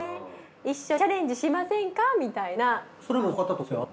一緒にチャレンジしませんか」みたいな。